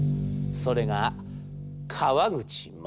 それが川口勝。